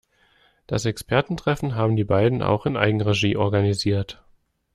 Das Expertentreffen haben die beiden auch in Eigenregie organisiert.